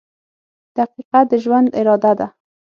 • دقیقه د ژوند اراده ده.